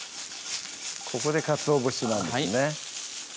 ここでかつお節なんですね